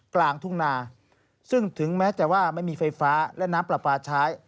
กลางทุ่งนาซึ่งถึงแม้แต่ว่าไม่มีไฟฟ้าและน้ำปลาปลาใช้